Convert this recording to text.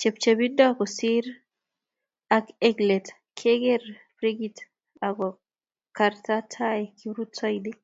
chepchebindo kosir ak eng let keker brekit ak korakta tai kiprutoinik.